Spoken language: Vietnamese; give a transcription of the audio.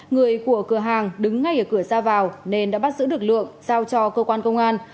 người của cửa hàng đứng ngay ở cửa ra vào nên đã bắt giữ được lượng giao cho cơ quan công an